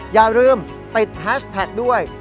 อย่าลืมติดแฮชแท็กด้วย